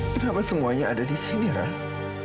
kenapa semuanya ada di sini ras